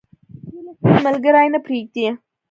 هیلۍ خپل ملګري نه پرېږدي